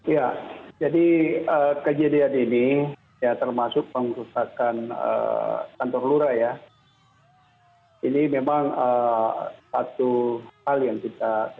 ya jadi kejadian ini termasuk perusakan kantor lura ya ini memang satu hal yang kita kesalkan